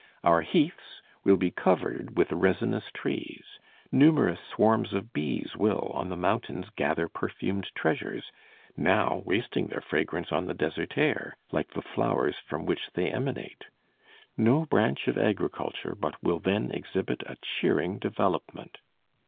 Our heaths will be covered with resinous trees. Numerous swarms of bees will, on the mountains, gather perfumed treasures, now wasting their fragrance on the desert air, like the flowers from which they emanate. No branch of agriculture but will then exhibit a cheering development.